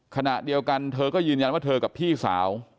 ขณะเดียวกันเธอก็ยืนยันว่าเธอกับพี่สาว